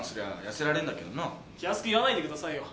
気安く言わないでくださいよ。